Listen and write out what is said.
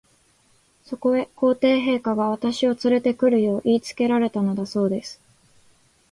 そこへ、皇帝陛下が、私をつれて来るよう言いつけられたのだそうです。